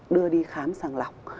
đưa đi khám sàng lọc